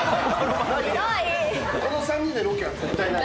その３人でのロケは絶対ない。